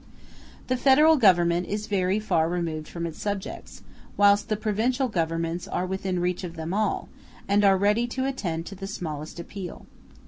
The Federal Government is very far removed from its subjects, whilst the provincial governments are within the reach of them all, and are ready to attend to the smallest appeal.